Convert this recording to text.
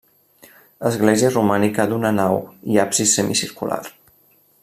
Església romànica d'una nau i absis semicircular.